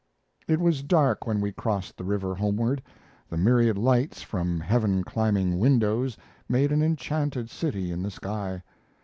It was dark when we crossed the river homeward; the myriad lights from heaven climbing windows made an enchanted city in the sky.